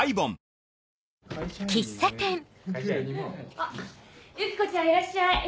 あっユキコちゃんいらっしゃい！